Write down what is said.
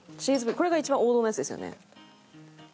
これが一番王道のやつですよね。